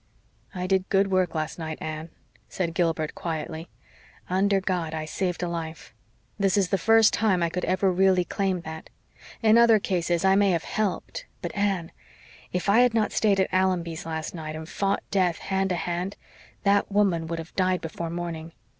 "I did good work last night, Anne," said Gilbert quietly. "Under God, I saved a life. This is the first time I could ever really claim that. In other cases I may have helped; but, Anne, if I had not stayed at Allonby's last night and fought death hand to hand, that woman would have died before morning.